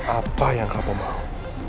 apa yang kamu mau